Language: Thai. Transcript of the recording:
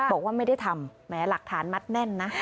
บอกว่าไม่ได้ทำแม้หลักฐานมัดแน่นนะ